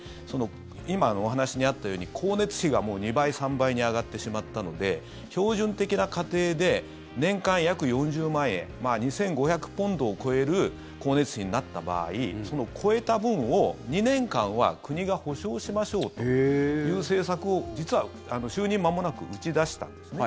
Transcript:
今、お話にあったように光熱費が２倍、３倍に上がってしまったので標準的な家庭で年間約４０万円２５００ポンドを超える光熱費になった場合その超えた分を、２年間は国が保証しましょうという政策を実は就任まもなく打ち出したんですね。